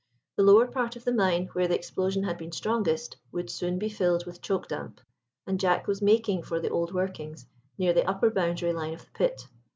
The lower part of the mine, where the explosion had been strongest, would soon be filled with choke damp, and Jack was making for the old workings, near the upper boundary line of the pit.